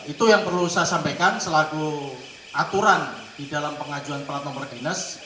itu yang perlu saya sampaikan selaku aturan di dalam pengajuan plat nomor dinas